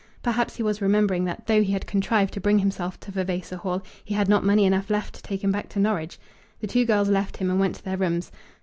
Perhaps he was remembering that though he had contrived to bring himself to Vavasor Hall he had not money enough left to take him back to Norwich. The two girls left him and went to their rooms.